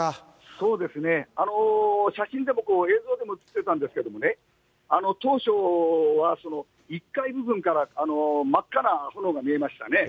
そうですね、写真でも、映像でも映ってたんですけどもね、当初は、１階部分から真っ赤な炎が見えましたね。